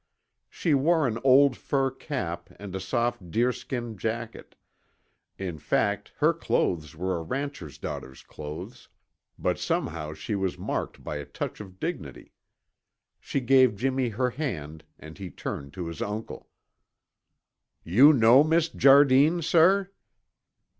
She wore an old fur cap and a soft deerskin jacket; in fact, her clothes were a rancher's daughter's clothes, but somehow she was marked by a touch of dignity. She gave Jimmy her hand and he turned to his uncle. "You know Miss Jardine, sir?"